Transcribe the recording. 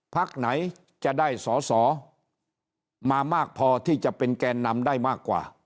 พักไหนจะได้สอสอมามากพอที่จะเป็นแกนนำได้มากกว่า